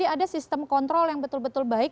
ada sistem kontrol yang betul betul baik